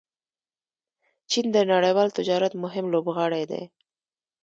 چین د نړیوال تجارت مهم لوبغاړی دی.